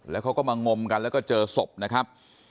แล้วเขาก็มางมกันแล้วก็เจอศพนะครับ